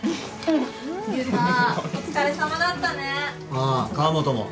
ああ河本も。